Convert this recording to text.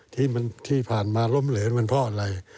ที่ผ่านมาล้มเหลนมันเพราะอะไร